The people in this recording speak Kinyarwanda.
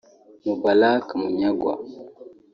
Mubarak Munyagwa